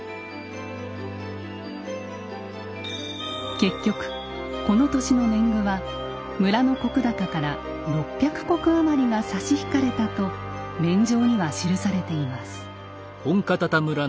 結局この年の年貢は村の石高から６００石余りが差し引かれたと免定には記されています。